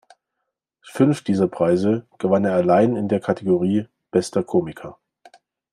Fünf dieser Preise gewann er allein in der Kategorie "Bester Komiker".